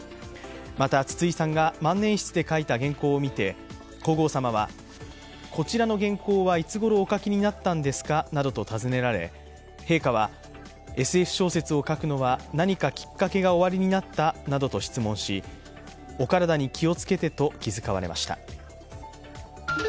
また、筒井さんが万年筆で書いた原稿を見て皇后さまは、こちらの原稿はいつごろお書きになったんですかなどと尋ねられ陛下はＳＦ小説を書くのは何かきっかけがおありになった？などと質問しお体に気をつけてと気遣われました。